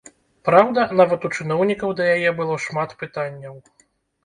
Праўда, нават у чыноўнікаў да яе было шмат пытанняў.